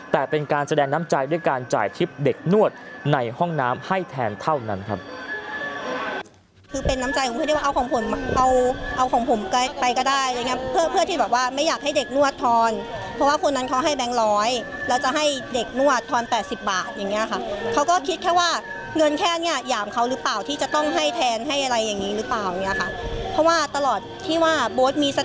แต่เป็นการแสดงน้ำใจด้วยการจ่ายทริปเด็กนวดในห้องน้ำให้แทนเท่านั้นครับ